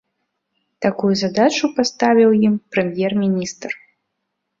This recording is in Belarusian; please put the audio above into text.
Такую задачу паставіў ім прэм'ер-міністр.